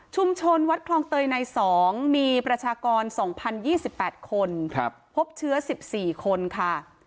วัดคลองเตยใน๒มีประชากร๒๐๒๘คนพบเชื้อ๑๔คนค่ะ